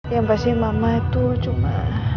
yang pasti mama itu cuma